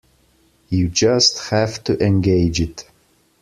You just have to engage it.